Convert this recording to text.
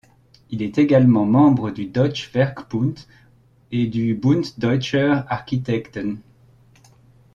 Il est également membre du Deutscher Werkbund et du Bund Deutscher Architekten.